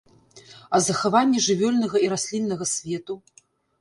А захаванне жывёльнага і расліннага свету?